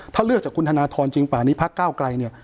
ถ้าเลือกจากคุณธนทรจริงป่านี้พักเก้าไกลเนี่ย